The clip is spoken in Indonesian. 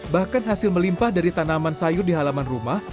bahkan hasil melimpah dari tanaman sayur di halaman rumah